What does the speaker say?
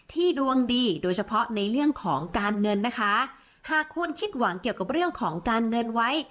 ดวงดีโดยเฉพาะในเรื่องของการเงินนะคะหากคุณคิดหวังเกี่ยวกับเรื่องของการเงินไว้